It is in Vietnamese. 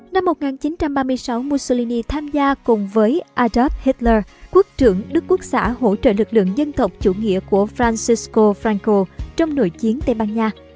năm một nghìn chín trăm ba mươi sáu mussolini tham gia cùng với adort heatter quốc trưởng đức quốc xã hỗ trợ lực lượng dân tộc chủ nghĩa của francisco franko trong nội chiến tây ban nha